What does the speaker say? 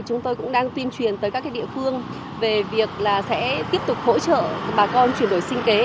chúng tôi cũng đang tuyên truyền tới các địa phương về việc là sẽ tiếp tục hỗ trợ bà con chuyển đổi sinh kế